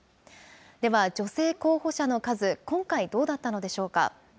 では、女性候補者の数、今回、どうだったのでしょうか。